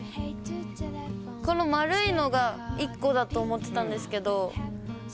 この丸いのが１個だと思ってたんですけど。